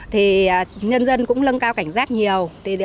thì nhân dân cũng lâng cao cảnh giác nhiều